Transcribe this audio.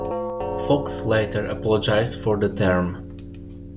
Fox later apologized for the term.